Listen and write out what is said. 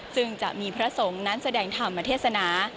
ซึ่งจะมีพระสงฆ์นั้นแสดงธรรมเทศนา